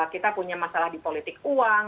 kita punya masalah di politik uang